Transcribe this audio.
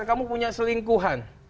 jika kamu punya selingkuhan